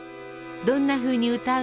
どんなふうに歌う？